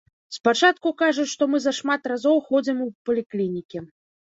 Спачатку кажуць, што мы зашмат разоў ходзім у паліклінікі.